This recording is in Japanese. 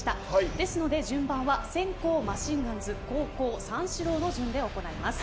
ですので順番は先攻マシンガンズ後攻、三四郎の順で行います。